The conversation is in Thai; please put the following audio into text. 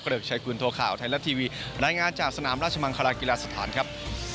ริกชัยกุลโทข่าวไทยรัฐทีวีรายงานจากสนามราชมังคลากีฬาสถานครับ